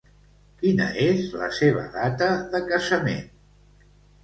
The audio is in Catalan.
Quina és la seva data de casament?